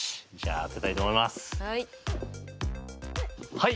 はい。